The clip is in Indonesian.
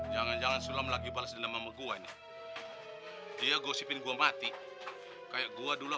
jangan jangan sulam lagi bales dengan gua nih dia gosipin gua mati kayak gua dulu